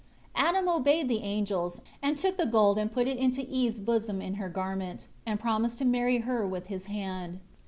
5 Adam obeyed the angels, and took the gold and put it into Eve's bosom in her garment; and promised to marry her with his hand.